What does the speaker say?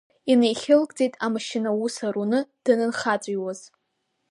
Инеихьылгӡеит амашьына аус аруны данынхаҵәиуаз…